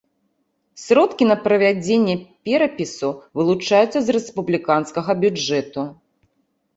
Сродкі на правядзенне перапісу вылучаюцца з рэспубліканскага бюджэту.